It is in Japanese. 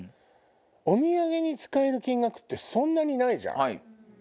お土産に使える金額ってそんなにないじゃん。